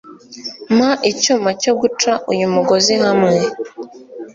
Mpa icyuma cyo guca uyu mugozi hamwe.